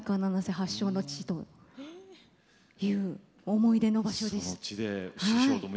発祥の地という思い出の場所です。